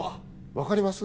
分かります？